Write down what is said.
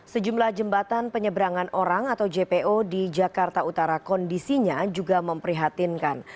sejumlah jembatan penyeberangan orang atau jpo di jakarta utara kondisinya juga memprihatinkan